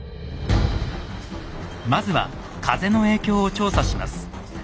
まずは風の影響を調査します。